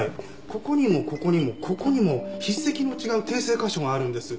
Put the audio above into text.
ここにもここにもここにも筆跡の違う訂正箇所があるんです。